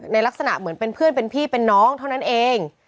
ลักษณะเหมือนเป็นเพื่อนเป็นพี่เป็นน้องเท่านั้นเอง